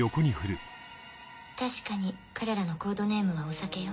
確かに彼らのコードネームはお酒よ。